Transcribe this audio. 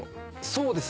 そうですね。